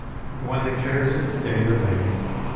And when the cares of the day are laid.